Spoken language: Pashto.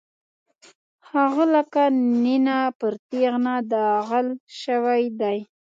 هغه لکه نېنه پر تېغنه داغل شوی دی.